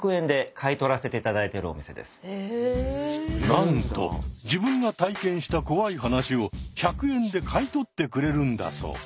なんと自分が体験した怖い話を１００円で買い取ってくれるんだそう。